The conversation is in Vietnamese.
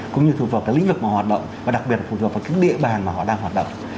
cũng như thuộc vào cái lĩnh vực mà họ hoạt động và đặc biệt là phù thuộc vào cái địa bàn mà họ đang hoạt động